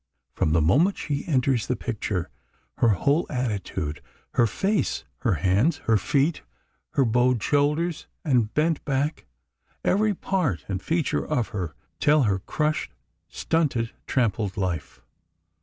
From the moment she enters the picture, her whole attitude, her face, her hands, her feet, her bowed shoulders and bent back—every part and feature of her, tell her crushed, stunted, trampled life.